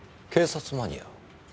警察マニア？